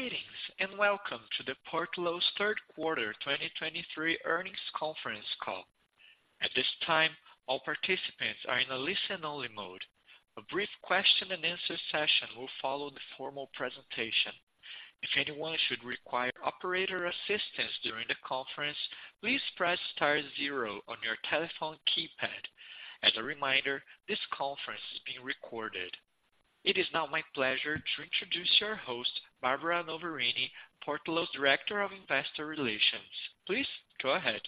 Greetings, and welcome to the Portillo's Q3 2023 Earnings Conference Call. At this time, all participants are in a listen-only mode. A brief question-and-answer session will follow the formal presentation. If anyone should require operator assistance during the conference, please press star zero on your telephone keypad. As a reminder, this conference is being recorded. It is now my pleasure to introduce your host, Barbara Noverini, Portillo's Director of Investor Relations. Please go ahead.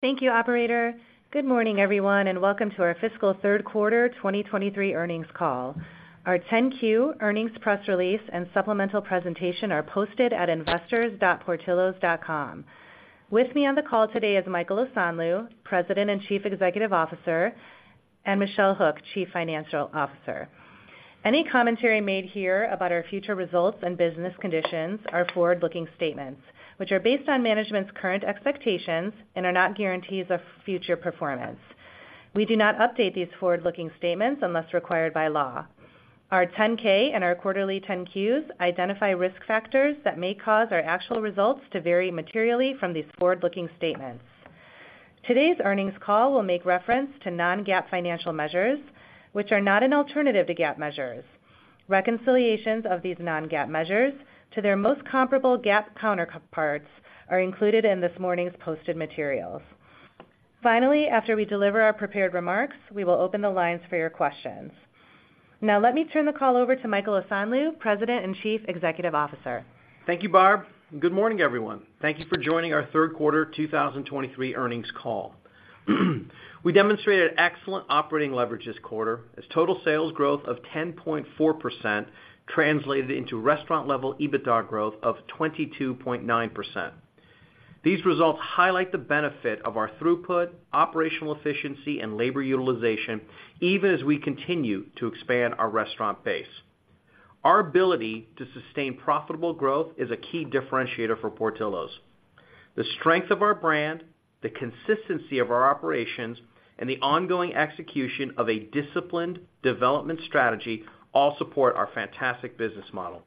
Thank you, operator. Good morning, everyone, and welcome to our fiscal Q3 2023 earnings call. Our 10-Q earnings press release and supplemental presentation are posted at investors.portillos.com. With me on the call today is Michael Osanloo, President and Chief Executive Officer, and Michelle Hook, Chief Financial Officer. Any commentary made here about our future results and business conditions are forward-looking statements, which are based on management's current expectations and are not guarantees of future performance. We do not update these forward-looking statements unless required by law. Our 10-K and our quarterly 10-Qs identify risk factors that may cause our actual results to vary materially from these forward-looking statements. Today's earnings call will make reference to non-GAAP financial measures, which are not an alternative to GAAP measures. Reconciliations of these non-GAAP measures to their most comparable GAAP counterparts are included in this morning's posted materials. Finally, after we deliver our prepared remarks, we will open the lines for your questions. Now, let me turn the call over to Michael Osanloo, President and Chief Executive Officer. Thank you, Barb. Good morning, everyone. Thank you for joining our Q3 2023 earnings call. We demonstrated excellent operating leverage this quarter, as total sales growth of 10.4% translated into restaurant-level EBITDA growth of 22.9%. These results highlight the benefit of our throughput, operational efficiency, and labor utilization, even as we continue to expand our restaurant base. Our ability to sustain profitable growth is a key differentiator for Portillo's. The strength of our brand, the consistency of our operations, and the ongoing execution of a disciplined development strategy all support our fantastic business model.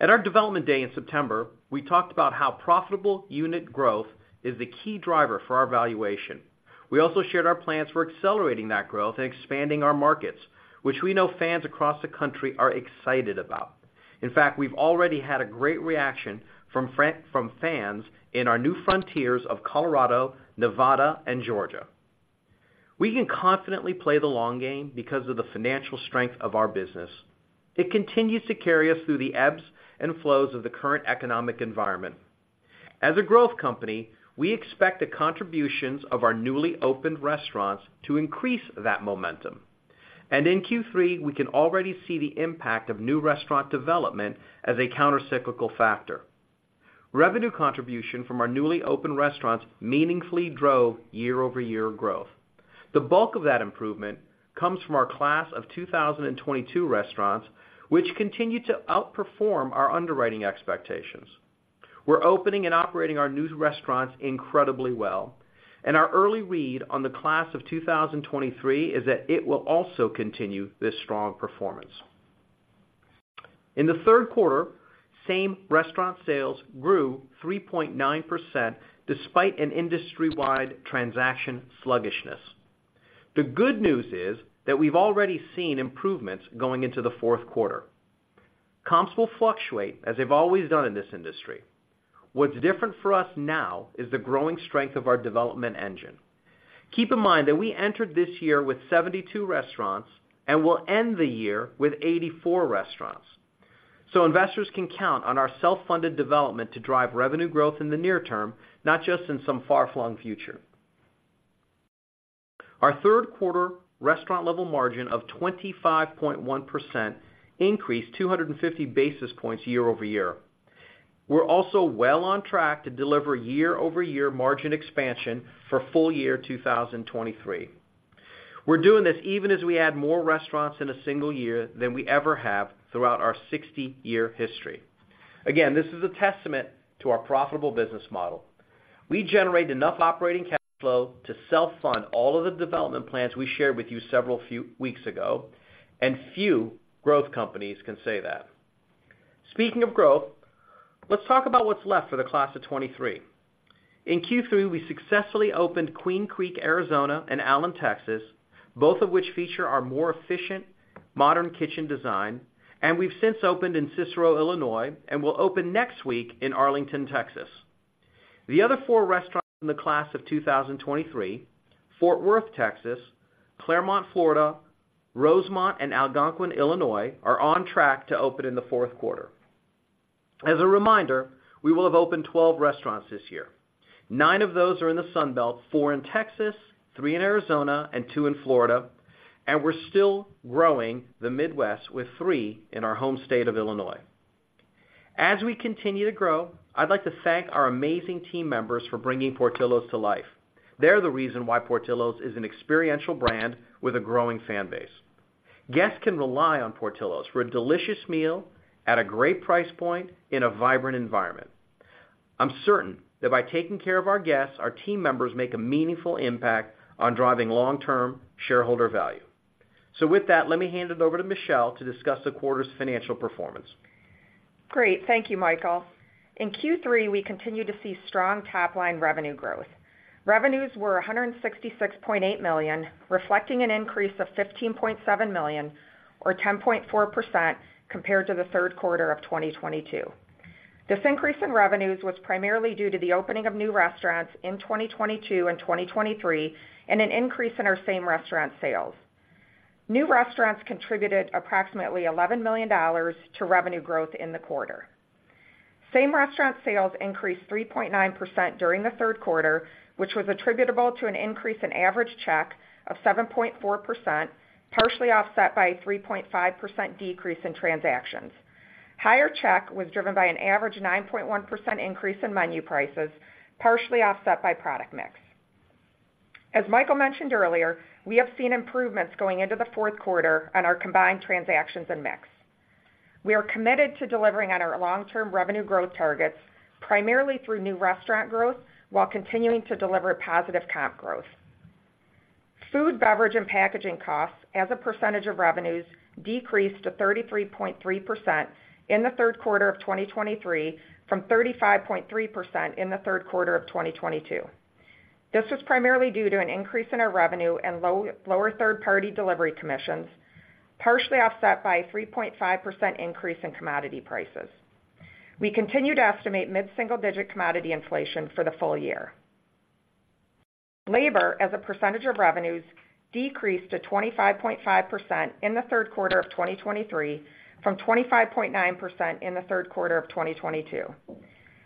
At our Development Day in September, we talked about how profitable unit growth is the key driver for our valuation. We also shared our plans for accelerating that growth and expanding our markets, which we know fans across the country are excited about. In fact, we've already had a great reaction from fans in our new frontiers of Colorado, Nevada, and Georgia. We can confidently play the long game because of the financial strength of our business. It continues to carry us through the ebbs and flows of the current economic environment. As a growth company, we expect the contributions of our newly opened restaurants to increase that momentum, and in Q3, we can already see the impact of new restaurant development as a countercyclical factor. Revenue contribution from our newly opened restaurants meaningfully drove year-over-year growth. The bulk of that improvement comes from our class of 2022 restaurants, which continue to outperform our underwriting expectations. We're opening and operating our new restaurants incredibly well, and our early read on the class of 2023 is that it will also continue this strong performance. In the Q3, same restaurant sales grew 3.9%, despite an industry-wide transaction sluggishness. The good news is that we've already seen improvements going into the Q4. Comps will fluctuate, as they've always done in this industry. What's different for us now is the growing strength of our development engine. Keep in mind that we entered this year with 72 restaurants and will end the year with 84 restaurants, so investors can count on our self-funded development to drive revenue growth in the near term, not just in some far-flung future. Our Q3 restaurant level margin of 25.1% increased 250 basis points year-over-year. We're also well on track to deliver year-over-year margin expansion for full year 2023. We're doing this even as we add more restaurants in a single year than we ever have throughout our 60-year history. Again, this is a testament to our profitable business model. We generate enough operating cash flow to self-fund all of the development plans we shared with you several weeks ago, and few growth companies can say that. Speaking of growth, let's talk about what's left for the class of 2023. In Q3, we successfully opened Queen Creek, Arizona, and Allen, Texas, both of which feature our more efficient modern kitchen design, and we've since opened in Cicero, Illinois, and will open next week in Arlington, Texas. The other four restaurants in the class of 2023, Fort Worth, Texas, Clermont, Florida, Rosemont, and Algonquin, Illinois, are on track to open in the Q4. As a reminder, we will have opened 12 restaurants this year. Nine of those are in the Sun Belt, four in Texas, three in Arizona, and two in Florida, and we're still growing the Midwest with three in our home state of Illinois. As we continue to grow, I'd like to thank our amazing team members for bringing Portillo's to life. They're the reason why Portillo's is an experiential brand with a growing fan base. Guests can rely on Portillo's for a delicious meal at a great price point in a vibrant environment. I'm certain that by taking care of our guests, our team members make a meaningful impact on driving long-term shareholder value. So with that, let me hand it over to Michelle to discuss the quarter's financial performance. Great. Thank you, Michael. In Q3, we continued to see strong top-line revenue growth. Revenues were $166.8 million, reflecting an increase of $15.7 million, or 10.4%, compared to the Q3 of 2022. This increase in revenues was primarily due to the opening of new restaurants in 2022 and 2023, and an increase in our same-restaurant sales. New restaurants contributed approximately $11 million to revenue growth in the quarter. Same-restaurant sales increased 3.9% during the Q3, which was attributable to an increase in average check of 7.4%, partially offset by a 3.5% decrease in transactions. Higher check was driven by an average 9.1% increase in menu prices, partially offset by product mix. As Michael mentioned earlier, we have seen improvements going into the Q4 on our combined transactions and mix. We are committed to delivering on our long-term revenue growth targets, primarily through new restaurant growth, while continuing to deliver positive comp growth. Food, beverage, and packaging costs as a percentage of revenues decreased to 33.3% in the Q3 of 2023, from 35.3% in the Q3 of 2022. This was primarily due to an increase in our revenue and lower third-party delivery commissions, partially offset by a 3.5% increase in commodity prices. We continue to estimate mid-single-digit commodity inflation for the full year. Labor, as a percentage of revenues, decreased to 25.5% in the Q3 of 2023, from 25.9% in the Q3 of 2022.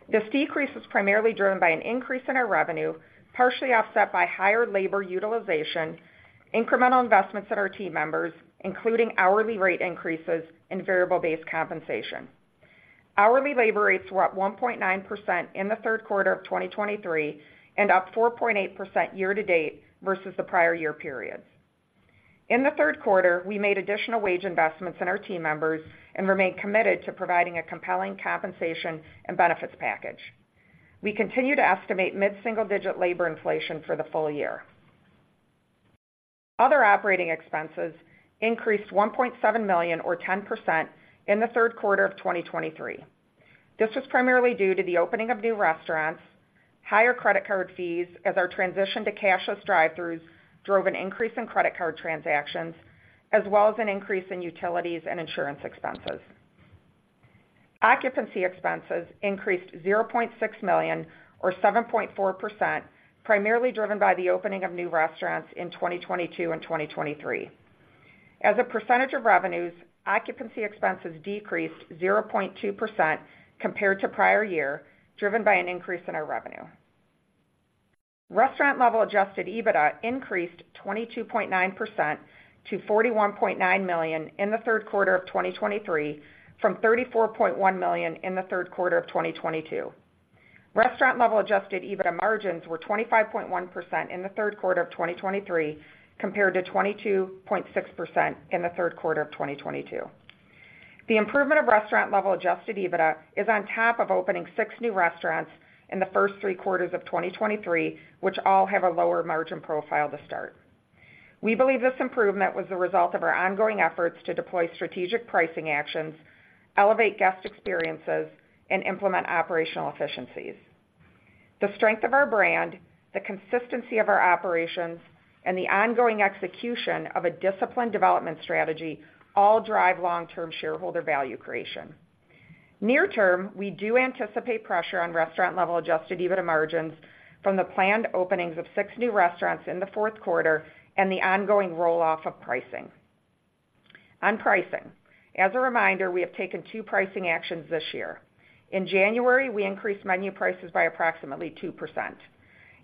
This decrease was primarily driven by an increase in our revenue, partially offset by higher labor utilization, incremental investments in our team members, including hourly rate increases and variable-based compensation. Hourly labor rates were up 1.9% in the Q3 of 2023, and up 4.8% year-to-date versus the prior year periods. In the Q3, we made additional wage investments in our team members and remain committed to providing a compelling compensation and benefits package. We continue to estimate mid-single-digit labor inflation for the full year. Other operating expenses increased $1.7 million, or 10%, in the Q3 of 2023. This was primarily due to the opening of new restaurants, higher credit card fees as our transition to cashless drive-thrus drove an increase in credit card transactions, as well as an increase in utilities and insurance expenses. Occupancy expenses increased $0.6 million, or 7.4%, primarily driven by the opening of new restaurants in 2022 and 2023. As a percentage of revenues, occupancy expenses decreased 0.2% compared to prior year, driven by an increase in our revenue. Restaurant-level adjusted EBITDA increased 22.9% to $41.9 million in the Q3 of 2023, from $34.1 million in the Q3 of 2022. Restaurant-level adjusted EBITDA margins were 25.1% in the Q3 of 2023, compared to 22.6% in the Q3 of 2022. The improvement of restaurant-level adjusted EBITDA is on top of opening 6 new restaurants in the first three quarters of 2023, which all have a lower margin profile to start. We believe this improvement was the result of our ongoing efforts to deploy strategic pricing actions, elevate guest experiences, and implement operational efficiencies. The strength of our brand, the consistency of our operations, and the ongoing execution of a disciplined development strategy all drive long-term shareholder value creation. Near term, we do anticipate pressure on restaurant-level adjusted EBITDA margins from the planned openings of 6 new restaurants in the Q4 and the ongoing roll-off of pricing. On pricing, as a reminder, we have taken 2 pricing actions this year. In January, we increased menu prices by approximately 2%.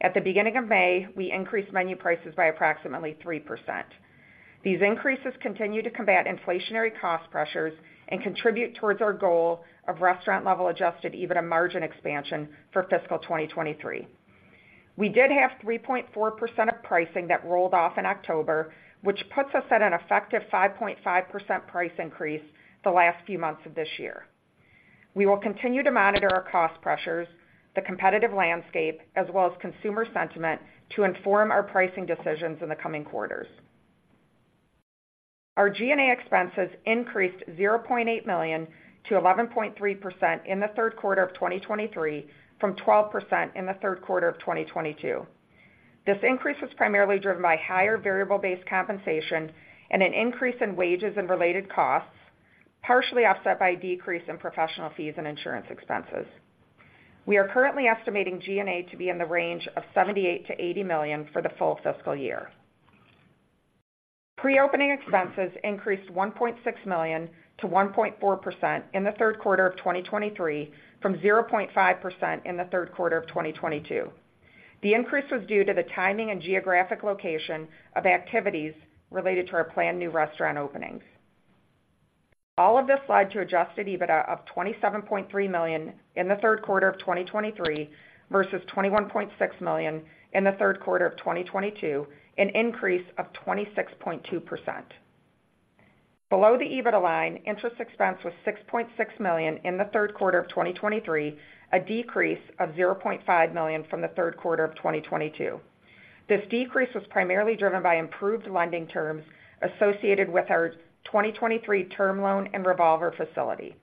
At the beginning of May, we increased menu prices by approximately 3%. These increases continue to combat inflationary cost pressures and contribute towards our goal of restaurant-level adjusted EBITDA margin expansion for fiscal 2023. We did have 3.4% of pricing that rolled off in October, which puts us at an effective 5.5% price increase the last few months of this year. We will continue to monitor our cost pressures, the competitive landscape, as well as consumer sentiment, to inform our pricing decisions in the coming quarters. Our G&A expenses increased $0.8 million to 11.3% in the Q3 of 2023, from 12% in the Q3 of 2022. This increase was primarily driven by higher variable-based compensation and an increase in wages and related costs, partially offset by a decrease in professional fees and insurance expenses. We are currently estimating G&A to be in the range of $78 to 80 million for the full fiscal year. Pre-opening expenses increased $1.6 million to 1.4% in the Q3 of 2023, from 0.5% in the Q3 of 2022. The increase was due to the timing and geographic location of activities related to our planned new restaurant openings. All of this led to adjusted EBITDA of $27.3 million in the Q3 of 2023 versus $21.6 million in the Q3 of 2022, an increase of 26.2%. Below the EBITDA line, interest expense was $6.6 million in the Q3 of 2023, a decrease of $0.5 million from the Q3 of 2022. This decrease was primarily driven by improved lending terms associated with our 2023 term loan and revolver facility.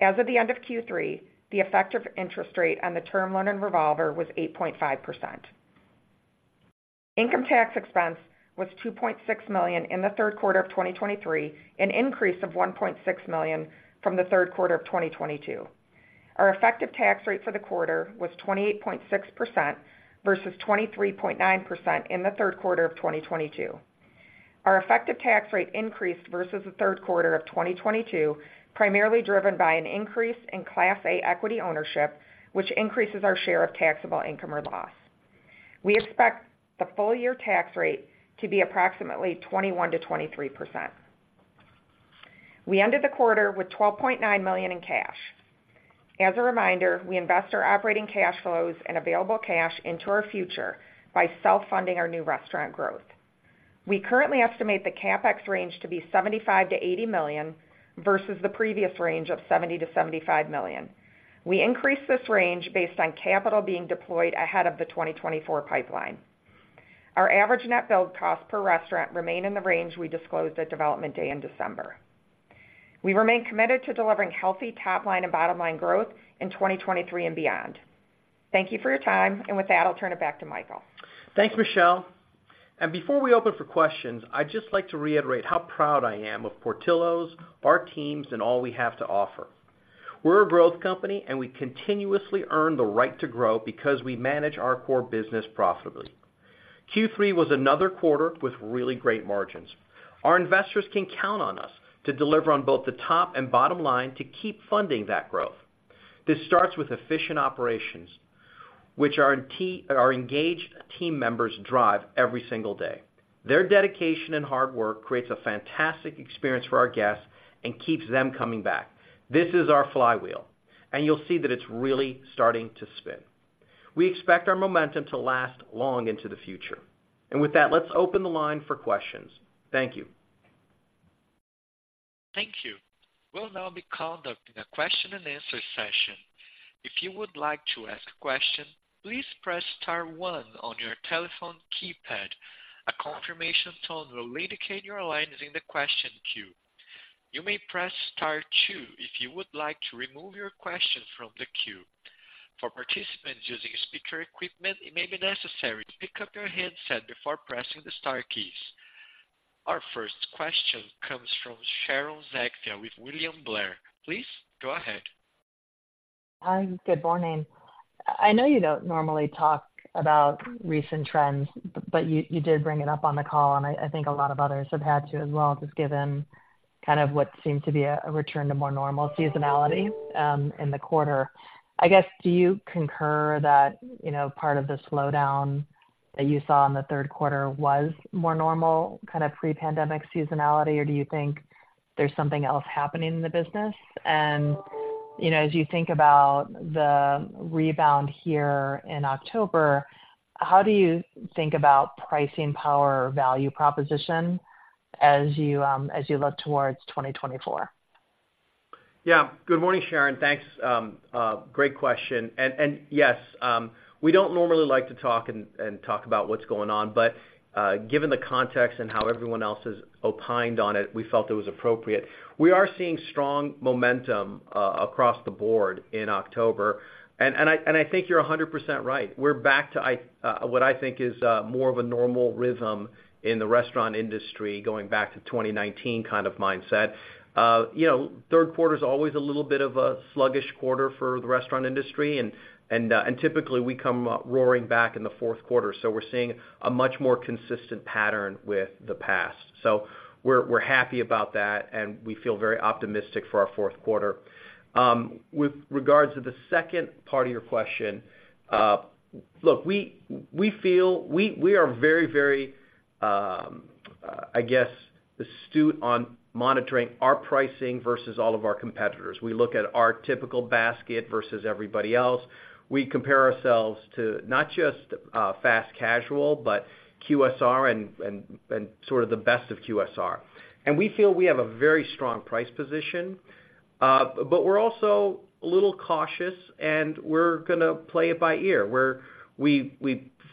As of the end of Q3, the effective interest rate on the term loan and revolver was 8.5%. Income tax expense was $2.6 million in the Q3 of 2023, an increase of $1.6 million from the Q3 of 2022. Our effective tax rate for the quarter was 28.6% versus 23.9% in the Q3 of 2022. Our effective tax rate increased versus the Q3 of 2022, primarily driven by an increase in Class A equity ownership, which increases our share of taxable income or loss. We expect the full year tax rate to be approximately 21% to 23%. We ended the quarter with $12.9 million in cash. As a reminder, we invest our operating cash flows and available cash into our future by self-funding our new restaurant growth. We currently estimate the CapEx range to be $75 to 80 million, versus the previous range of $70 to 75 million. We increased this range based on capital being deployed ahead of the 2024 pipeline. Our average net build cost per restaurant remain in the range we disclosed at Development Day in December. We remain committed to delivering healthy top line and bottom line growth in 2023 and beyond. Thank you for your time, and with that, I'll turn it back to Michael. Thanks, Michelle. And before we open for questions, I'd just like to reiterate how proud I am of Portillo's, our teams, and all we have to offer. We're a growth company, and we continuously earn the right to grow because we manage our core business profitably. Q3 was another quarter with really great margins. Our investors can count on us to deliver on both the top and bottom line to keep funding that growth. This starts with efficient operations, which our engaged team members drive every single day. Their dedication and hard work creates a fantastic experience for our guests and keeps them coming back. This is our flywheel, and you'll see that it's really starting to spin. We expect our momentum to last long into the future. And with that, let's open the line for questions. Thank you. Thank you. We'll now be conducting a question-and-answer session. If you would like to ask a question, please press star one on your telephone keypad. A confirmation tone will indicate your line is in the question queue. You may press star two if you would like to remove your question from the queue. For participants using speaker equipment, it may be necessary to pick up your handset before pressing the star keys. Our first question comes from Sharon Zackfia with William Blair. Please go ahead. Hi, good morning. I know you don't normally talk about recent trends, but you did bring it up on the call, and I think a lot of others have had to as well, just given kind of what seemed to be a return to more normal seasonality in the quarter. I guess, do you concur that, you know, part of the slowdown that you saw in the Q3 was more normal, kind of pre-pandemic seasonality, or do you think there's something else happening in the business? And, you know, as you think about the rebound here in October, how do you think about pricing power or value proposition as you look towards 2024? Yeah. Good morning, Sharon. Thanks. Great question. And yes, we don't normally like to talk about what's going on, but given the context and how everyone else has opined on it, we felt it was appropriate. We are seeing strong momentum across the board in October, and I think you're 100% right. We're back to what I think is more of a normal rhythm in the restaurant industry, going back to 2019 kind of mindset. You know, Q3 is always a little bit of a sluggish quarter for the restaurant industry, and typically we come roaring back in the Q4. So we're seeing a much more consistent pattern with the past. So we're happy about that, and we feel very optimistic for our Q4. With regards to the second part of your question, look, We feel very astute, I guess, astute on monitoring our pricing versus all of our competitors. We look at our typical basket versus everybody else. We compare ourselves to not just fast casual, but QSR and sort of the best of QSR. And we feel we have a very strong price position, but we're also a little cautious, and we're gonna play it by ear. We're, we've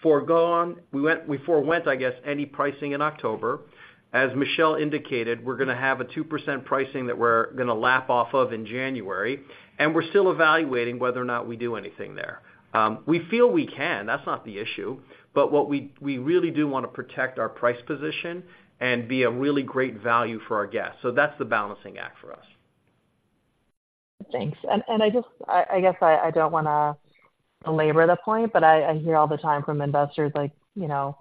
foregone, we went, we forewent, I guess, any pricing in October. As Michelle indicated, we're gonna have a 2% pricing that we're gonna lap off of in January, and we're still evaluating whether or not we do anything there. We feel we can, that's not the issue, but what we really do want to protect our price position and be a really great value for our guests. So that's the balancing act for us. Thanks. And I just... I guess I don't wanna belabor the point, but I hear all the time from investors like, you know,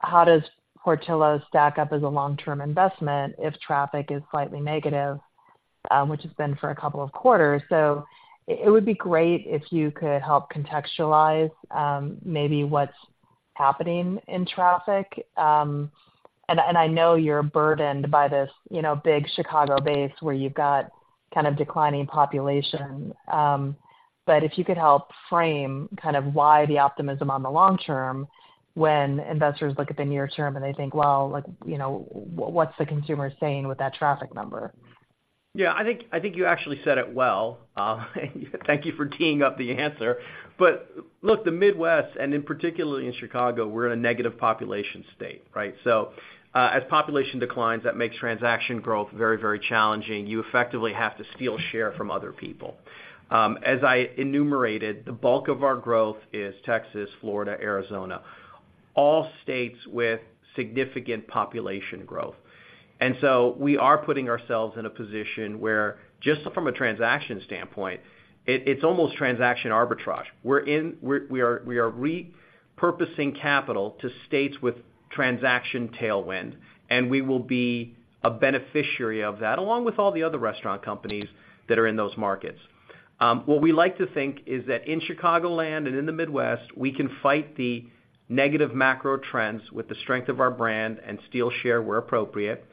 "How does Portillo's stack up as a long-term investment if traffic is slightly negative?" which has been for a couple of quarters. So it would be great if you could help contextualize, maybe what's happening in traffic. And I know you're burdened by this, you know, big Chicago base, where you've got kind of declining population. But if you could help frame kind of why the optimism on the long term, when investors look at the near term, and they think, "Well, like, you know, what's the consumer saying with that traffic number?... Yeah, I think, I think you actually said it well. Thank you for teeing up the answer. But look, the Midwest, and in particular in Chicago, we're in a negative population state, right? So, as population declines, that makes transaction growth very, very challenging. You effectively have to steal share from other people. As I enumerated, the bulk of our growth is Texas, Florida, Arizona, all states with significant population growth. And so we are putting ourselves in a position where, just from a transaction standpoint, it, it's almost transaction arbitrage. We're in - we're, we are, we are repurposing capital to states with transaction tailwind, and we will be a beneficiary of that, along with all the other restaurant companies that are in those markets. What we like to think is that in Chicagoland and in the Midwest, we can fight the negative macro trends with the strength of our brand and steal share where appropriate.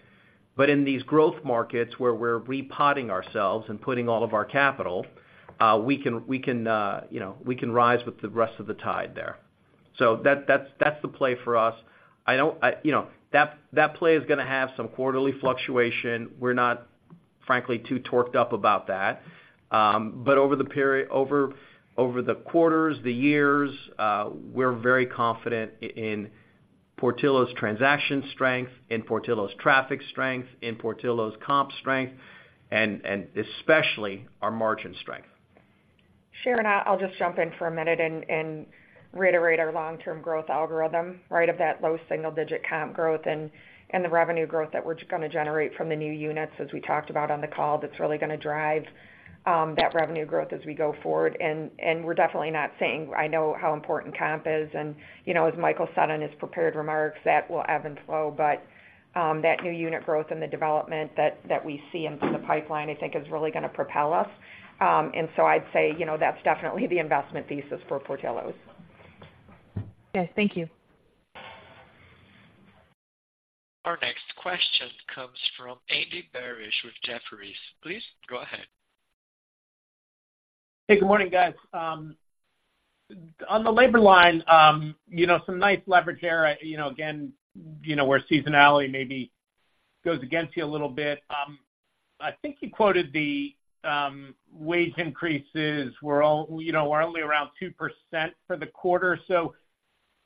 But in these growth markets, where we're repotting ourselves and putting all of our capital, you know, we can rise with the rest of the tide there. So that, that's the play for us. You know, that, that play is gonna have some quarterly fluctuation. We're not, frankly, too torqued up about that. But over the quarters, the years, we're very confident in Portillo's transaction strength, in Portillo's traffic strength, in Portillo's comp strength, and especially our margin strength. Sharon, I'll just jump in for a minute and reiterate our long-term growth algorithm, right? Of that low single-digit comp growth and the revenue growth that we're just gonna generate from the new units, as we talked about on the call, that's really gonna drive that revenue growth as we go forward. And we're definitely not saying, I know how important comp is, and you know, as Michael said in his prepared remarks, that will ebb and flow. But that new unit growth and the development that we see into the pipeline, I think, is really gonna propel us. And so I'd say, you know, that's definitely the investment thesis for Portillo's. Okay, thank you. Our next question comes from Andy Barish with Jefferies. Please go ahead. Hey, good morning, guys. On the labor line, you know, some nice leverage there, you know, again, you know, where seasonality maybe goes against you a little bit. I think you quoted the wage increases were all, you know, were only around 2% for the quarter. So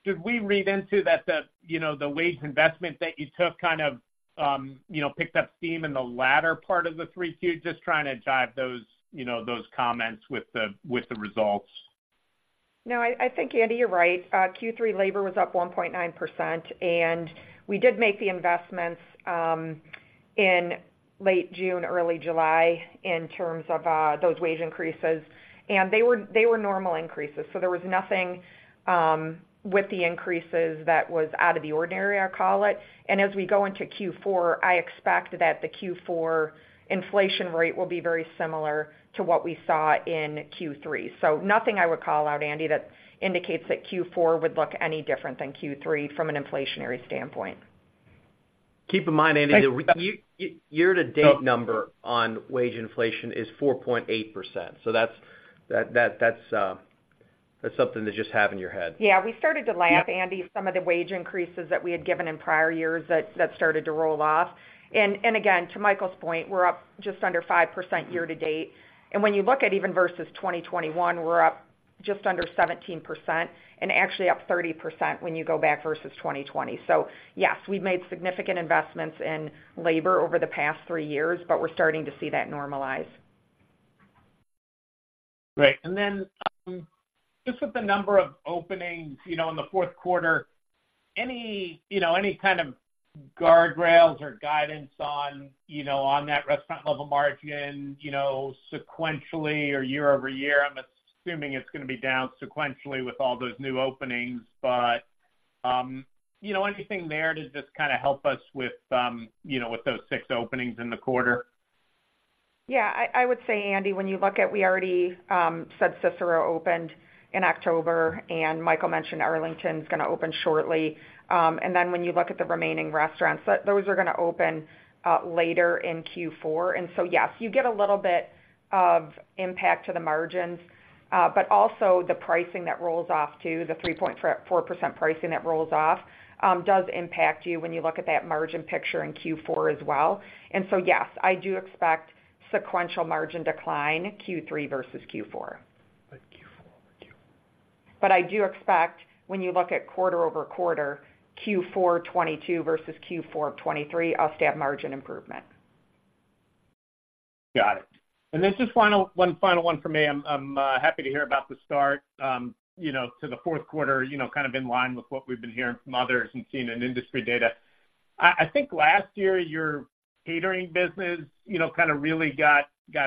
should we read into that, the, you know, the wage investment that you took kind of, you know, picked up steam in the latter part of the 3Q? Just trying to jive those, you know, those comments with the, with the results. No, I think, Andy, you're right. Q3 labor was up 1.9%, and we did make the investments in late June, early July, in terms of those wage increases, and they were normal increases. So there was nothing with the increases that was out of the ordinary, I'd call it. And as we go into Q4, I expect that the Q4 inflation rate will be very similar to what we saw in Q3. So nothing I would call out, Andy, that indicates that Q4 would look any different than Q3 from an inflationary standpoint. Keep in mind, Andy, the year-to-date number on wage inflation is 4.8%. So that's something to just have in your head. Yeah, we started to lap, Andy, some of the wage increases that we had given in prior years that started to roll off. And again, to Michael's point, we're up just under 5% year to date. And when you look at even versus 2021, we're up just under 17% and actually up 30% when you go back versus 2020. So yes, we've made significant investments in labor over the past three years, but we're starting to see that normalize. Great. And then, just with the number of openings, you know, in the Q4, any, you know, any kind of guardrails or guidance on, you know, on that restaurant level margin, you know, sequentially or year-over-year? I'm assuming it's gonna be down sequentially with all those new openings. But, you know, anything there to just kinda help us with, you know, with those 6 openings in the quarter? Yeah, I, I would say, Andy, when you look at... We already said Cicero opened in October, and Michael mentioned Arlington's gonna open shortly. And then when you look at the remaining restaurants, those are gonna open later in Q4. And so, yes, you get a little bit of impact to the margins, but also the pricing that rolls off, too, the 3.4% pricing that rolls off does impact you when you look at that margin picture in Q4 as well. And so, yes, I do expect sequential margin decline Q3 versus Q4. But Q4 I do expect when you look at quarter-over-quarter, Q4 2022 versus Q4 of 2023, I'll see a margin improvement. Got it. And then just one final one for me. I'm happy to hear about the start, you know, to the Q4, you know, kind of in line with what we've been hearing from others and seeing in industry data. I think last year, your catering business, you know, kind of really got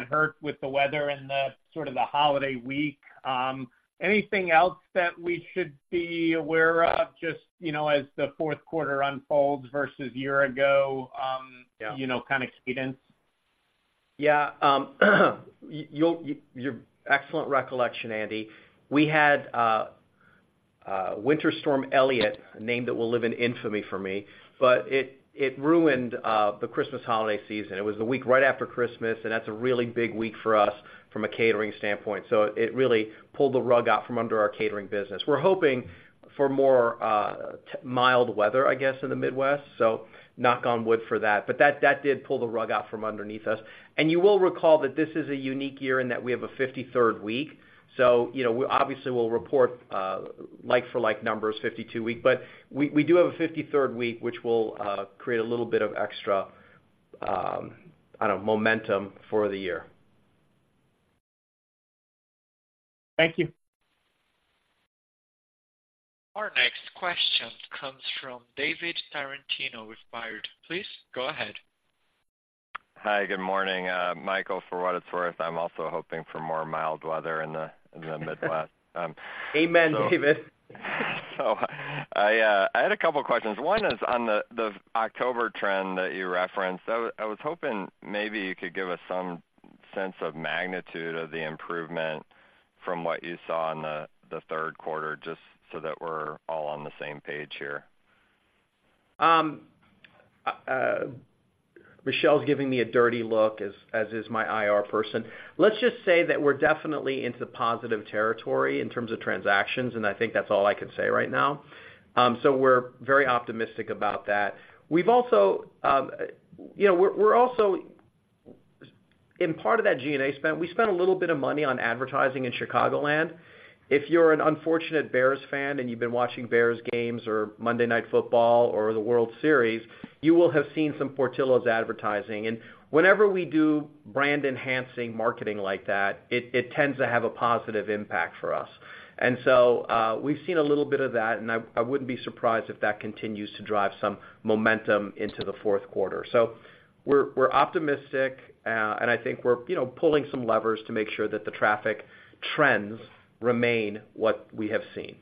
hurt with the weather and the sort of the holiday week. Anything else that we should be aware of, just, you know, as the Q4 unfolds versus year ago. Yeah... you know, kind of cadence? Yeah, your excellent recollection, Andy. We had Winter Storm Elliott, a name that will live in infamy for me, but it, it ruined the Christmas holiday season. It was the week right after Christmas, and that's a really big week for us from a catering standpoint. So it really pulled the rug out from under our catering business. We're hoping for more mild weather, I guess, in the Midwest, so knock on wood for that. But that, that did pull the rug out from underneath us. And you will recall that this is a unique year in that we have a 53rd week. So, you know, we obviously will report like-for-like numbers, 52-week, but we do have a 53rd week, which will create a little bit of extra, I don't know, momentum for the year. Thank you. Our next question comes from David Tarantino with Baird. Please go ahead. Hi, good morning. Michael, for what it's worth, I'm also hoping for more mild weather in the Midwest. Amen, David. So I had a couple questions. One is on the October trend that you referenced. I was hoping maybe you could give us some sense of magnitude of the improvement from what you saw in the Q3, just so that we're all on the same page here. Michelle's giving me a dirty look, as is my IR person. Let's just say that we're definitely into positive territory in terms of transactions, and I think that's all I could say right now. So we're very optimistic about that. We've also, you know, we're also— In part of that G&A spend, we spent a little bit of money on advertising in Chicagoland. If you're an unfortunate Bears fan, and you've been watching Bears games or Monday Night Football or the World Series, you will have seen some Portillo's advertising. And whenever we do brand-enhancing marketing like that, it tends to have a positive impact for us. And so, we've seen a little bit of that, and I wouldn't be surprised if that continues to drive some momentum into the Q4. So we're optimistic, and I think we're, you know, pulling some levers to make sure that the traffic trends remain what we have seen.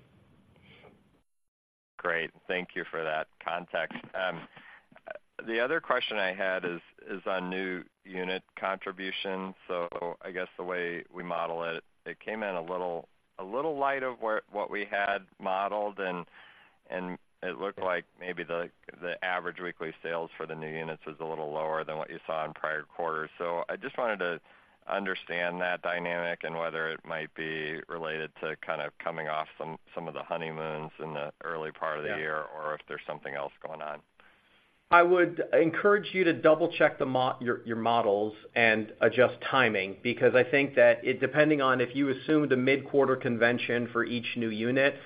Great. Thank you for that context. The other question I had is on new unit contributions. So I guess the way we model it, it came in a little light of where what we had modeled, and it looked like maybe the average weekly sales for the new units is a little lower than what you saw in prior quarters. So I just wanted to understand that dynamic and whether it might be related to kind of coming off some of the honeymoons in the early part of the year- Yeah... or if there's something else going on. I would encourage you to double-check your models and adjust timing, because I think that it depending on if you assume the mid-quarter convention for each new unit,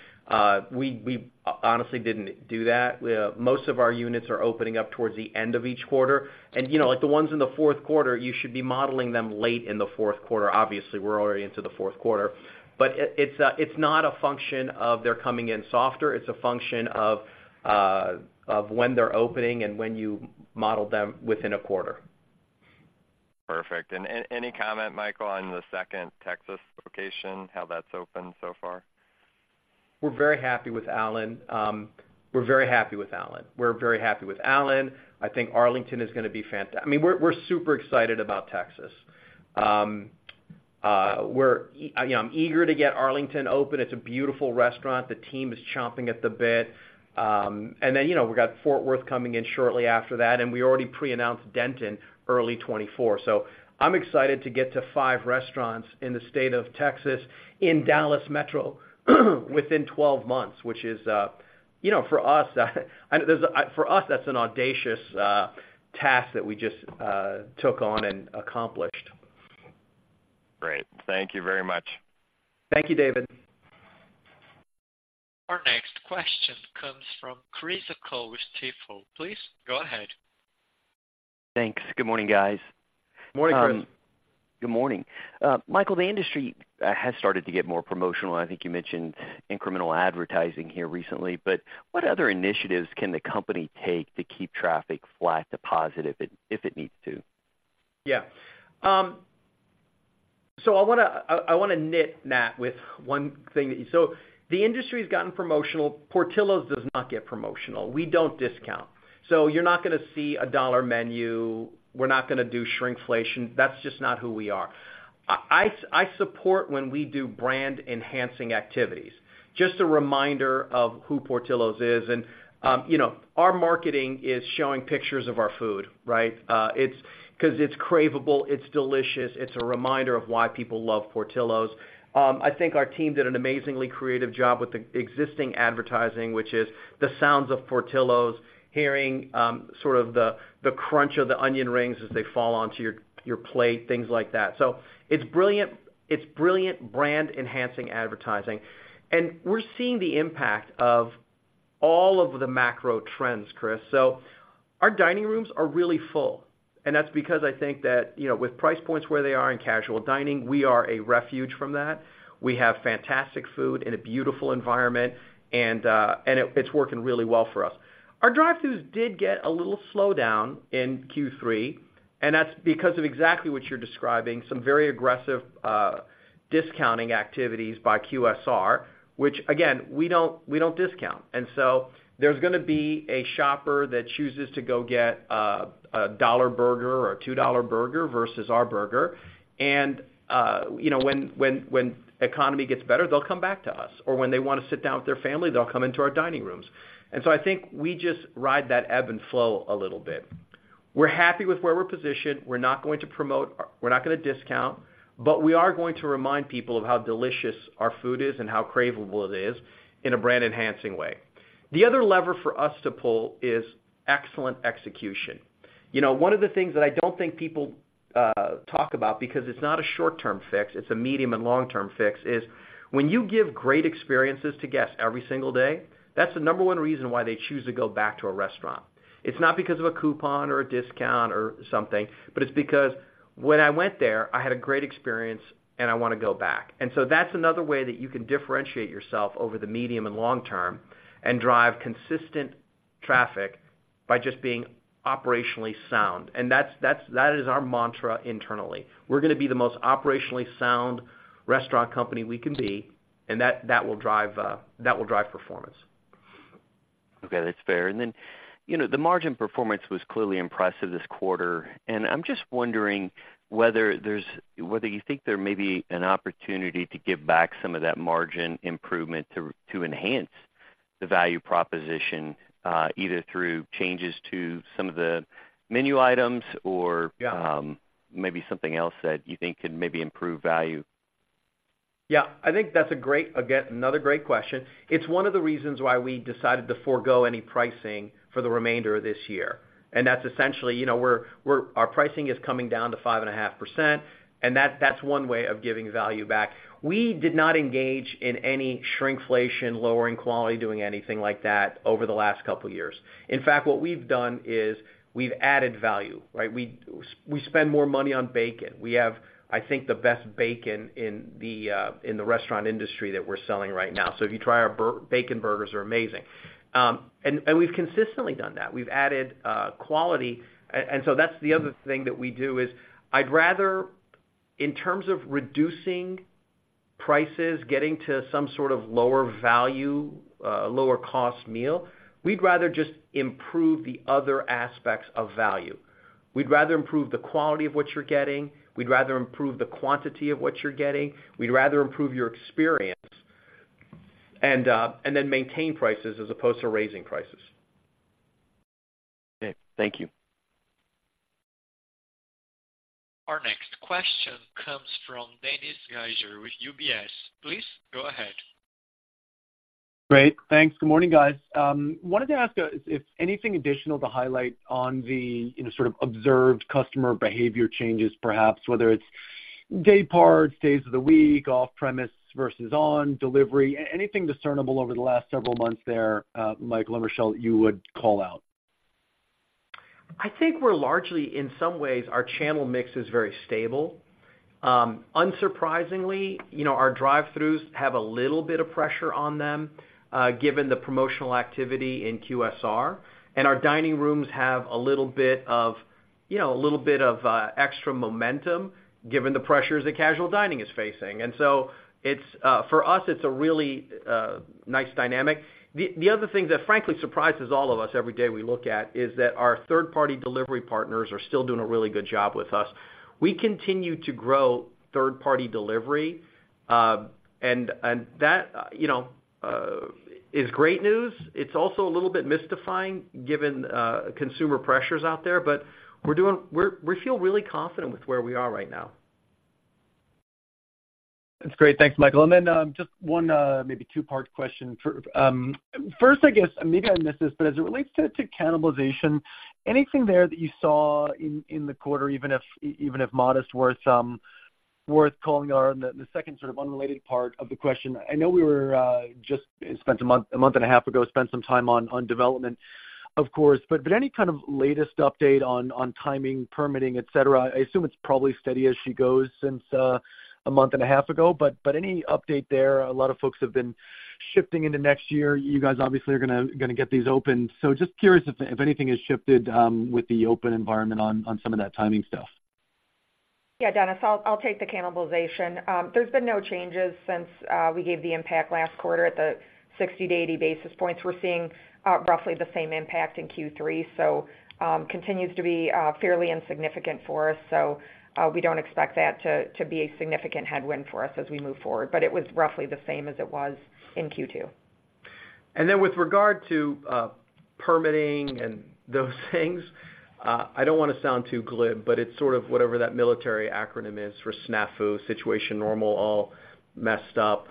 we honestly didn't do that. Most of our units are opening up towards the end of each quarter. And, you know, like the ones in the Q4, you should be modeling them late in the Q4. Obviously, we're already into the Q4. But it's not a function of they're coming in softer, it's a function of when they're opening and when you model them within a quarter. Perfect. And any comment, Michael, on the second Texas location, how that's opened so far? We're very happy with Allen. I think Arlington is gonna be, I mean, we're, we're super excited about Texas. You know, I'm eager to get Arlington open. It's a beautiful restaurant. The team is chomping at the bit. And then, you know, we've got Fort Worth coming in shortly after that, and we already pre-announced Denton early 2024. So I'm excited to get to five restaurants in the state of Texas, in Dallas Metro, within 12 months, which is, you know, for us, I know, there's, for us, that's an audacious task that we just took on and accomplished. Great. Thank you very much. Thank you, David. Our next question comes from Chris O'Cull with Stifel. Please go ahead. Thanks. Good morning, guys. Morning, Chris. Good morning. Michael, the industry has started to get more promotional. I think you mentioned incremental advertising here recently, but what other initiatives can the company take to keep traffic flat to positive if it, if it needs to? Yeah. So I wanna knit that with one thing that... So the industry's gotten promotional. Portillo's does not get promotional. We don't discount. So you're not gonna see a dollar menu, we're not gonna do shrinkflation. That's just not who we are. I support when we do brand-enhancing activities. Just a reminder of who Portillo's is, and, you know, our marketing is showing pictures of our food, right? It's 'cause it's craveable, it's delicious, it's a reminder of why people love Portillo's. I think our team did an amazingly creative job with the existing advertising, which is the sounds of Portillo's, hearing, sort of the crunch of the onion rings as they fall onto your plate, things like that. So it's brilliant, it's brilliant brand-enhancing advertising. And we're seeing the impact of all of the macro trends, Chris. So our dining rooms are really full, and that's because I think that, you know, with price points where they are in casual dining, we are a refuge from that. We have fantastic food in a beautiful environment, and it, it's working really well for us. Our drive-throughs did get a little slowdown in Q3, and that's because of exactly what you're describing, some very aggressive discounting activities by QSR, which, again, we don't, we don't discount. And so there's gonna be a shopper that chooses to go get a $1 burger or a $2 burger versus our burger. And you know, when economy gets better, they'll come back to us, or when they want to sit down with their family, they'll come into our dining rooms. And so I think we just ride that ebb and flow a little bit. We're happy with where we're positioned. We're not going to promote, we're not gonna discount, but we are going to remind people of how delicious our food is and how craveable it is in a brand-enhancing way. The other lever for us to pull is excellent execution. You know, one of the things that I don't think people talk about because it's not a short-term fix, it's a medium and long-term fix, is when you give great experiences to guests every single day, that's the number one reason why they choose to go back to a restaurant. It's not because of a coupon or a discount or something, but it's because when I went there, I had a great experience, and I wanna go back. So that's another way that you can differentiate yourself over the medium and long term, and drive consistent traffic by just being operationally sound. And that's, that is our mantra internally. We're gonna be the most operationally sound restaurant company we can be, and that will drive performance. Okay, that's fair. And then, you know, the margin performance was clearly impressive this quarter, and I'm just wondering whether there's- whether you think there may be an opportunity to give back some of that margin improvement to, to enhance the value proposition, either through changes to some of the menu items or- Yeah. - Maybe something else that you think could maybe improve value? Yeah, I think that's a great, again, another great question. It's one of the reasons why we decided to forego any pricing for the remainder of this year. And that's essentially, you know, we're, our pricing is coming down to 5.5%, and that's one way of giving value back. We did not engage in any shrinkflation, lowering quality, doing anything like that over the last couple of years. In fact, what we've done is we've added value, right? We spend more money on bacon. We have, I think, the best bacon in the restaurant industry that we're selling right now. So if you try our bacon burgers are amazing. And we've consistently done that. We've added quality. And so that's the other thing that we do is, I'd rather... In terms of reducing prices, getting to some sort of lower value, lower cost meal, we'd rather just improve the other aspects of value. We'd rather improve the quality of what you're getting, we'd rather improve the quantity of what you're getting, we'd rather improve your experience, and, and then maintain prices as opposed to raising prices. Okay, thank you. Our next question comes from Dennis Geiger with UBS. Please go ahead. Great. Thanks. Good morning, guys. Wanted to ask if anything additional to highlight on the, you know, sort of observed customer behavior changes, perhaps whether it's day parts, days of the week, off-premise versus on, delivery, anything discernible over the last several months there, Michael or Michelle, you would call out? I think we're largely in some ways, our channel mix is very stable. Unsurprisingly, you know, our drive-thrus have a little bit of pressure on them, given the promotional activity in QSR, and our dining rooms have a little bit of, you know, a little bit of extra momentum, given the pressures that casual dining is facing. And so it's for us, it's a really nice dynamic. The other thing that frankly surprises all of us every day we look at is that our third-party delivery partners are still doing a really good job with us. We continue to grow third-party delivery, and that, you know, is great news. It's also a little bit mystifying given consumer pressures out there, but we're doing—we're, we feel really confident with where we are right now. That's great. Thanks, Michael. And then, just one, maybe two-part question. For, first, I guess, maybe I missed this, but as it relates to, to cannibalization, anything there that you saw in, in the quarter, even if, even if modest, worth, worth calling out? And the, the second sort of unrelated part of the question: I know we were, just spent a month, a month and a half ago, spent some time on, on development, of course, but, but any kind of latest update on, on timing, permitting, et cetera? I assume it's probably steady as she goes since, a month and a half ago, but, but any update there, a lot of folks have been shifting into next year. You guys obviously are gonna, gonna get these open. Just curious if anything has shifted with the open environment on some of that timing stuff? Yeah, Dennis, I'll take the cannibalization. There's been no changes since we gave the impact last quarter at the 60 to 80 basis points. We're seeing roughly the same impact in Q3, so continues to be fairly insignificant for us. So we don't expect that to be a significant headwind for us as we move forward, but it was roughly the same as it was in Q2. And then with regard to permitting and those things, I don't wanna sound too glib, but it's sort of whatever that military acronym is for SNAFU, situation normal, all messed up.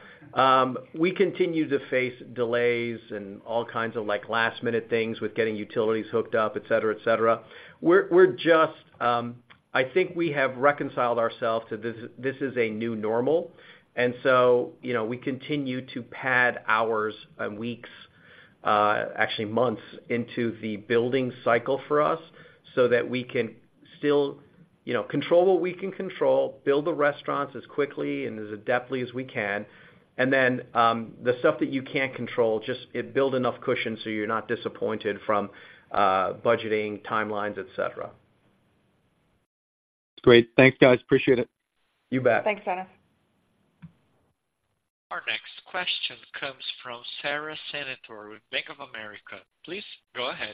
We continue to face delays and all kinds of, like, last-minute things with getting utilities hooked up, et cetera, et cetera. We're just, I think we have reconciled ourselves to this, this is a new normal, and so, you know, we continue to pad hours and weeks, actually, months into the building cycle for us, so that we can still, you know, control what we can control, build the restaurants as quickly and as adeptly as we can, and then, the stuff that you can't control, just build enough cushion so you're not disappointed from, budgeting, timelines, et cetera. Great. Thanks, guys. Appreciate it. You bet. Thanks, Dennis. Our next question comes from Sara Senatore with Bank of America. Please go ahead.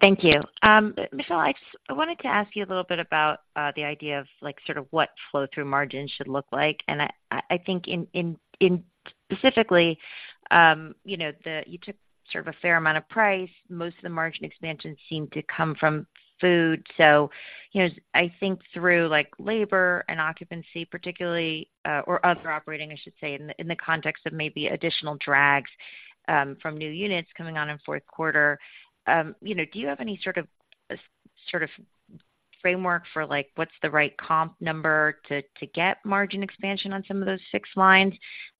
Thank you. Michelle, I just wanted to ask you a little bit about the idea of like, sort of what flow-through margins should look like. And I think in,... specifically, you know, the, you took sort of a fair amount of price. Most of the margin expansion seemed to come from food. So, you know, I think through, like, labor and occupancy, particularly, or other operating, I should say, in the, in the context of maybe additional drags, from new units coming on in Q4, you know, do you have any sort of, sort of framework for, like, what's the right comp number to, to get margin expansion on some of those fixed lines?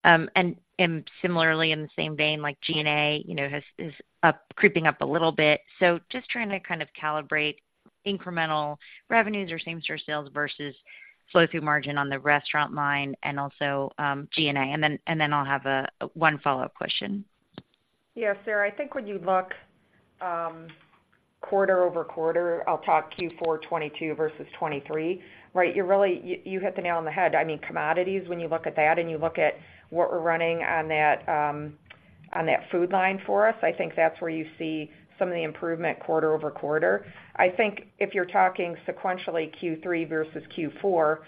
And, and similarly, in the same vein, like G&A, you know, has, is up, creeping up a little bit. So just trying to kind of calibrate incremental revenues or same-store sales versus flow-through margin on the restaurant line and also, G&A. And then, and then I'll have one follow-up question. Yeah, Sarah, I think when you look quarter-over-quarter, I'll talk Q4 2022 versus 2023, right? You're really—you, you hit the nail on the head. I mean, commodities, when you look at that and you look at what we're running on that on that food line for us, I think that's where you see some of the improvement quarter-over-quarter. I think if you're talking sequentially, Q3 versus Q4,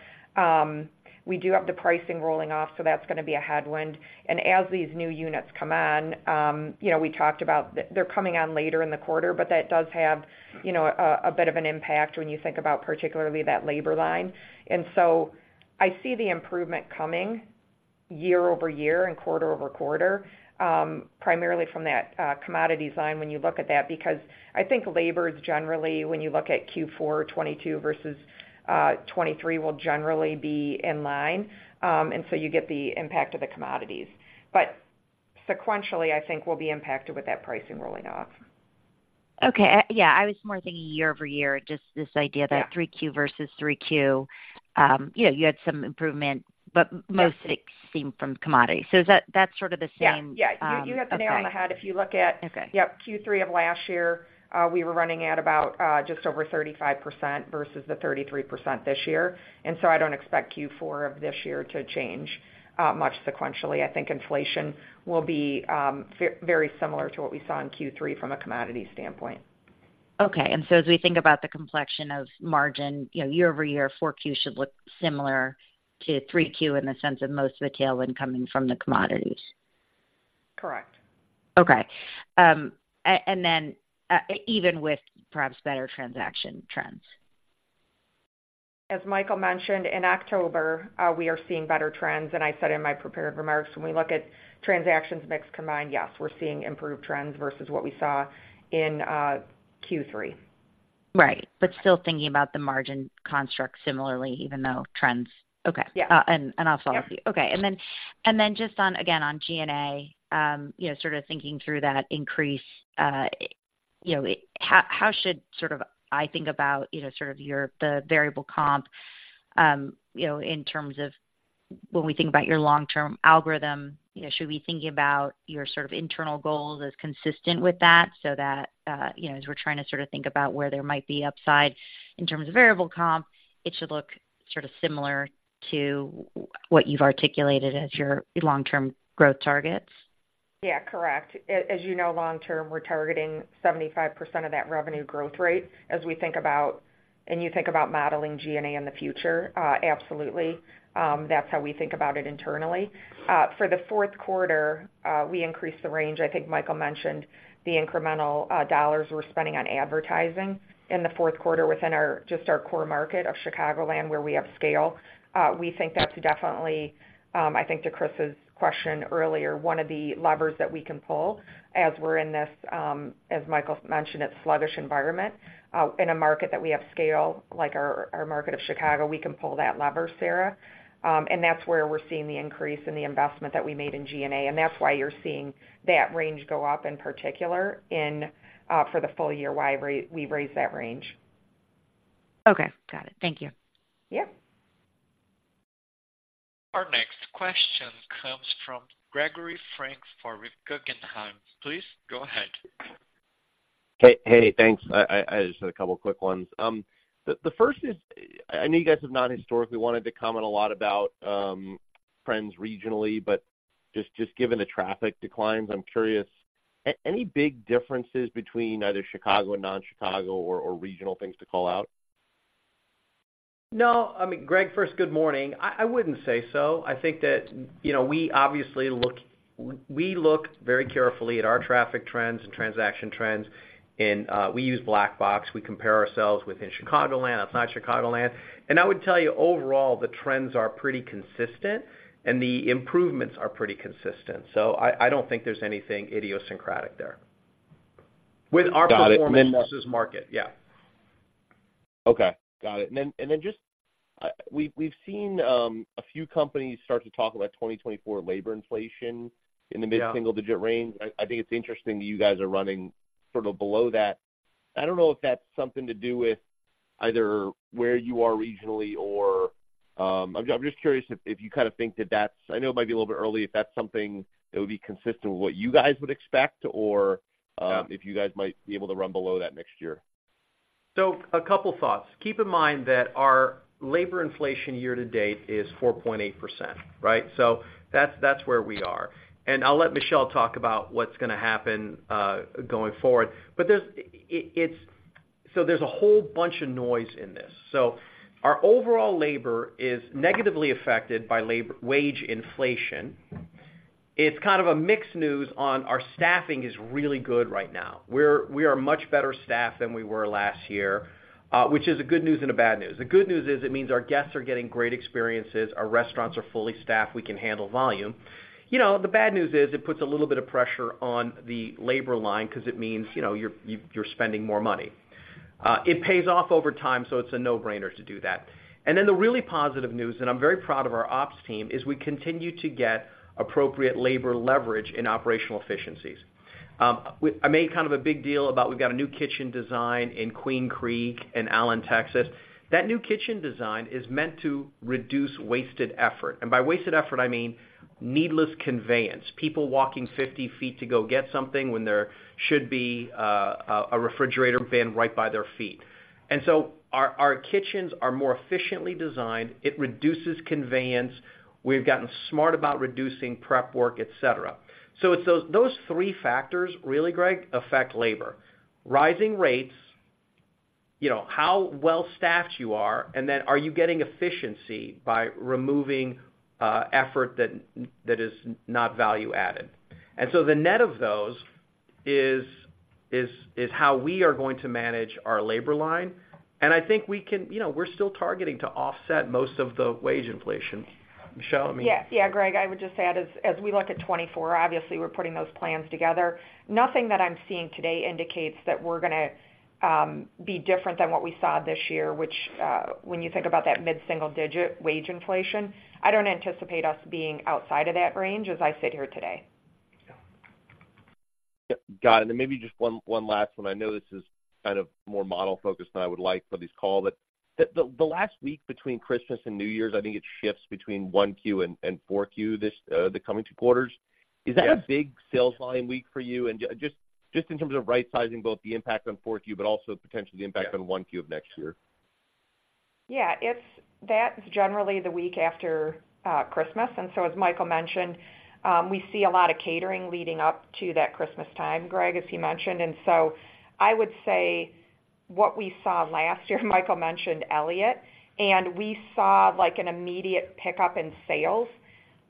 we do have the pricing rolling off, so that's gonna be a headwind. And as these new units come on, you know, we talked about they're coming on later in the quarter, but that does have, you know, a bit of an impact when you think about particularly that labor line. I see the improvement coming year-over-year and quarter-over-quarter, primarily from that commodities line when you look at that, because I think labor is generally, when you look at Q4 2022 versus 2023, will generally be in line. And so you get the impact of the commodities. But sequentially, I think we'll be impacted with that pricing rolling off. Okay. Yeah, I was more thinking year-over-year, just this idea- Yeah... that 3Q versus 3Q, you know, you had some improvement, but- Yeah... most of it seemed from commodities. So is that, that's sort of the same? Yeah, yeah. Um, okay. You hit the nail on the head. If you look at- Okay... yep, Q3 of last year, we were running at about just over 35% versus the 33% this year. And so I don't expect Q4 of this year to change much sequentially. I think inflation will be very similar to what we saw in Q3 from a commodity standpoint. Okay. And so as we think about the complexion of margin, you know, year-over-year, Q4 should look similar to Q3 in the sense of most of the tailwind coming from the commodities. Correct. Okay. And then, even with perhaps better transaction trends? As Michael mentioned, in October, we are seeing better trends. I said in my prepared remarks, when we look at transactions mixed combined, yes, we're seeing improved trends versus what we saw in Q3. Right. But still thinking about the margin construct similarly, even though trends... Okay. Yeah. I'll follow up with you. Yeah. Okay. And then just on, again, on G&A, you know, sort of thinking through that increase, you know, how should I think about, you know, sort of your, the variable comp, you know, in terms of when we think about your long-term algorithm, you know, should we be thinking about your sort of internal goals as consistent with that, so that, you know, as we're trying to sort of think about where there might be upside in terms of variable comp, it should look sort of similar to what you've articulated as your long-term growth targets? Yeah, correct. As you know, long term, we're targeting 75% of that revenue growth rate as we think about, and you think about modeling G&A in the future, absolutely, that's how we think about it internally. For the Q4, we increased the range. I think Michael mentioned the incremental dollars we're spending on advertising in the Q4 within our just our core market of Chicagoland, where we have scale. We think that's definitely, I think to Chris's question earlier, one of the levers that we can pull as we're in this, as Michael mentioned, it's sluggish environment. In a market that we have scale, like our market of Chicago, we can pull that lever, Sarah. And that's where we're seeing the increase in the investment that we made in G&A, and that's why you're seeing that range go up in particular in for the full year, why we, we raised that range. Okay, got it. Thank you. Yeah. Our next question comes from Gregory Francfort for Guggenheim. Please go ahead. Hey, hey, thanks. I just had a couple quick ones. The first is, I know you guys have not historically wanted to comment a lot about trends regionally, but just given the traffic declines, I'm curious, any big differences between either Chicago and non-Chicago or regional things to call out? No. I mean, Greg, first, good morning. I, I wouldn't say so. I think that, you know, we obviously look, we look very carefully at our traffic trends and transaction trends, and we use Black Box. We compare ourselves within Chicagoland, that's not Chicagoland. And I would tell you, overall, the trends are pretty consistent and the improvements are pretty consistent. So I, I don't think there's anything idiosyncratic there. Got it. With our performance versus market. Yeah. Okay, got it. And then just, we've seen a few companies start to talk about 2024 labor inflation- Yeah... in the mid-single digit range. I, I think it's interesting that you guys are running sort of below that. I don't know if that's something to do with either where you are regionally or, I'm, I'm just curious if, if you kind of think that that's... I know it might be a little bit early, if that's something that would be consistent with what you guys would expect, or- Yeah... if you guys might be able to run below that next year. So a couple thoughts. Keep in mind that our labor inflation year-to-date is 4.8%, right? So that's, that's where we are. And I'll let Michelle talk about what's gonna happen, going forward. But there's a whole bunch of noise in this. So our overall labor is negatively affected by labor wage inflation. It's kind of a mixed news on our staffing is really good right now. We're, we are much better staffed than we were last year, which is a good news and a bad news. The good news is it means our guests are getting great experiences, our restaurants are fully staffed, we can handle volume. You know, the bad news is it puts a little bit of pressure on the labor line because it means, you know, you're, you're spending more money. It pays off over time, so it's a no-brainer to do that. And then the really positive news, and I'm very proud of our ops team, is we continue to get appropriate labor leverage in operational efficiencies. I made kind of a big deal about we've got a new kitchen design in Queen Creek and Allen, Texas. That new kitchen design is meant to reduce wasted effort, and by wasted effort, I mean needless conveyance. People walking 50 feet to go get something when there should be a refrigerator bin right by their feet. And so our kitchens are more efficiently designed. It reduces conveyance. We've gotten smart about reducing prep work, et cetera. So it's those three factors, really, Greg, affect labor. Rising rates, you know, how well staffed you are, and then are you getting efficiency by removing effort that is not value added? And so the net of those is how we are going to manage our labor line, and I think we can... You know, we're still targeting to offset most of the wage inflation. Michelle, I mean- Yes. Yeah, Greg, I would just add, as we look at 2024, obviously, we're putting those plans together. Nothing that I'm seeing today indicates that we're gonna be different than what we saw this year, which, when you think about that mid-single digit wage inflation, I don't anticipate us being outside of that range as I sit here today. Yeah. Yep, got it. And then maybe just one, one last one. I know this is kind of more model focused than I would like for this call, but the last week between Christmas and New Year's, I think it shifts between Q1 and Q4 this, the coming two quarters. Yes. Is that a big sales line week for you? And just, just in terms of right sizing, both the impact on 4Q, but also potentially the impact on 1Q of next year. Yeah, that's generally the week after Christmas, and so as Michael mentioned, we see a lot of catering leading up to that Christmas time, Greg, as he mentioned. And so I would say what we saw last year, Michael mentioned Elliott, and we saw, like, an immediate pickup in sales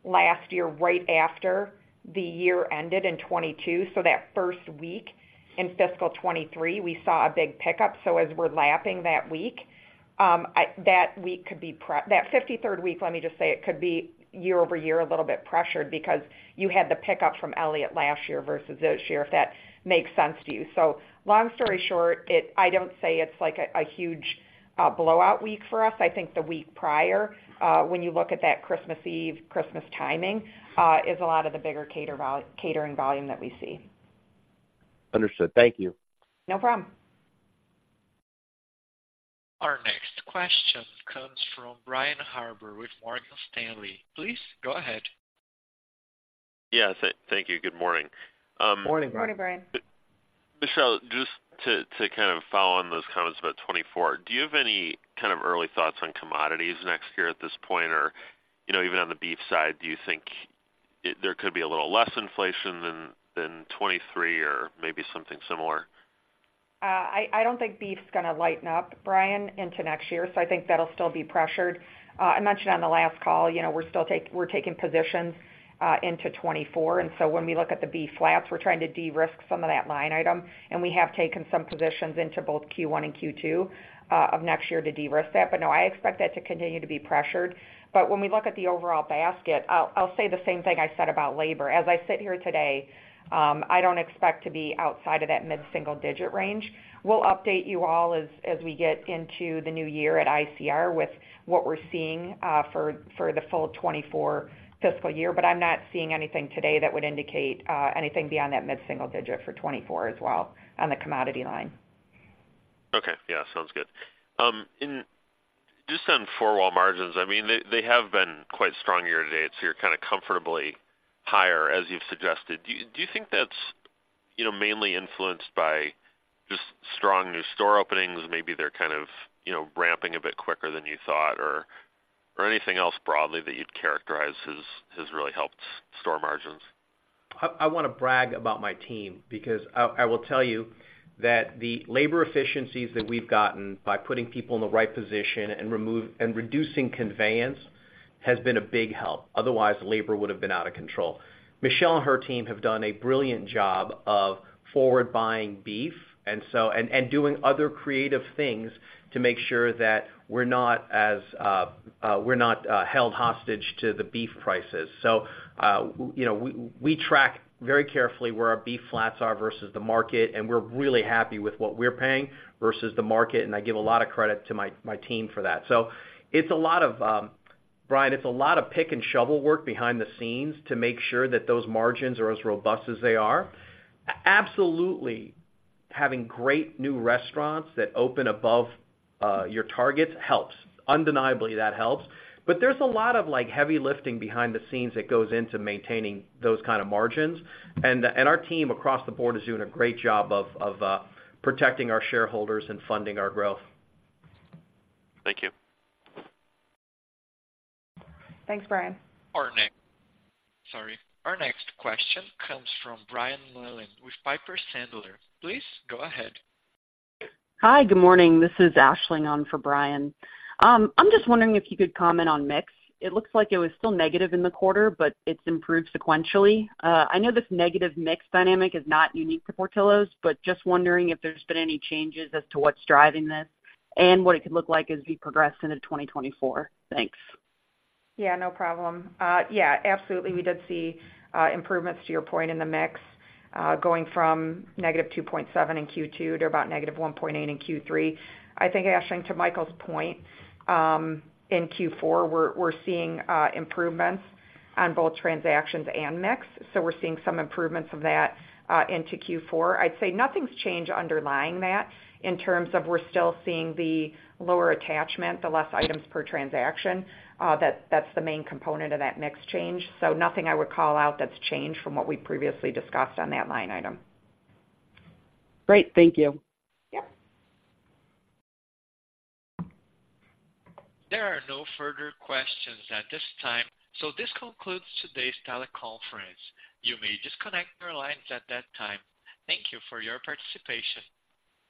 last year, right after the year ended in 2022. So that first week in fiscal 2023, we saw a big pickup. So as we're lapping that week, that 53rd week, let me just say, it could be year-over-year, a little bit pressured because you had the pickup from Elliott last year versus this year, if that makes sense to you. So long story short, I don't say it's like a huge blowout week for us. I think the week prior, when you look at that Christmas Eve, Christmas timing, is a lot of the bigger catering volume that we see. Understood. Thank you. No problem. Our next question comes from Brian Harbour with Morgan Stanley. Please go ahead. Yes, thank you. Good morning. Morning, Brian. Morning, Brian. Michelle, just to kind of follow on those comments about 2024, do you have any kind of early thoughts on commodities next year at this point, or, you know, even on the beef side, do you think it, there could be a little less inflation than 2023 or maybe something similar? I don't think beef's gonna lighten up, Brian, into next year, so I think that'll still be pressured. I mentioned on the last call, you know, we're taking positions into 2024, and so when we look at the beef flats, we're trying to de-risk some of that line item, and we have taken some positions into both Q1 and Q2 of next year to de-risk that. But no, I expect that to continue to be pressured. But when we look at the overall basket, I'll say the same thing I said about labor. As I sit here today, I don't expect to be outside of that mid-single digit range. We'll update you all as we get into the new year at ICR with what we're seeing for the full 2024 fiscal year, but I'm not seeing anything today that would indicate anything beyond that mid-single digit for 2024 as well on the commodity line. Okay. Yeah, sounds good. Just on four wall margins, I mean, they, they have been quite strong year to date, so you're kind of comfortably higher, as you've suggested. Do you, do you think that's, you know, mainly influenced by just strong new store openings? Maybe they're kind of, you know, ramping a bit quicker than you thought or, or anything else broadly that you'd characterize has, has really helped store margins. I wanna brag about my team because I will tell you that the labor efficiencies that we've gotten by putting people in the right position and reducing conveyance has been a big help. Otherwise, labor would have been out of control. Michelle and her team have done a brilliant job of forward buying beef and doing other creative things to make sure that we're not held hostage to the beef prices. So, you know, we track very carefully where our beef flats are versus the market, and we're really happy with what we're paying versus the market, and I give a lot of credit to my team for that. So it's a lot of, Brian, it's a lot of pick and shovel work behind the scenes to make sure that those margins are as robust as they are. Absolutely, having great new restaurants that open above your targets helps. Undeniably, that helps. But there's a lot of, like, heavy lifting behind the scenes that goes into maintaining those kind of margins. And our team across the board is doing a great job of protecting our shareholders and funding our growth. Thank you. Thanks, Brian. Sorry. Our next question comes from Brian Mullan with Piper Sandler. Please go ahead. Hi, good morning. This is Aisling on for Brian. I'm just wondering if you could comment on mix. It looks like it was still negative in the quarter, but it's improved sequentially. I know this negative mix dynamic is not unique to Portillo's, but just wondering if there's been any changes as to what's driving this and what it could look like as we progress into 2024. Thanks. Yeah, no problem. Yeah, absolutely, we did see improvements to your point in the mix, from -2.7% in Q2 to about -1.8% in Q3. I think, Aisling, to Michael's point, in Q4, we're, we're seeing improvements on both transactions and mix, so we're seeing some improvements of that into Q4. I'd say nothing's changed underlying that in terms of we're still seeing the lower attachment, the less items per transaction. That's the main component of that mix change. So nothing I would call out that's changed from what we previously discussed on that line item. Great. Thank you. Yep. There are no further questions at this time, so this concludes today's teleconference. You may disconnect your lines at that time. Thank you for your participation.